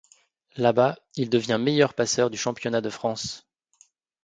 Là-bas, il devient meilleur passeur du championnat de France.